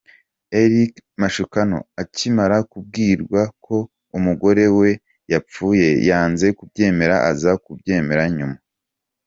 Eric Mashukano akimara kubwirwa ko umugore we yapfuye, yanze kubyemera, aza kubyemera nyuma.